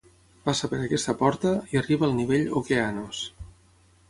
Passa per aquesta porta, i arriba al nivell Okeanos.